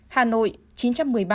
hà nội chín trăm một mươi ba